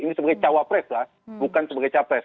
ini sebagai cawapres lah bukan sebagai capres